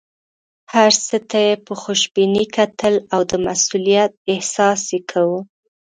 هر څه ته یې په خوشبینۍ کتل او د مسوولیت احساس یې کاوه.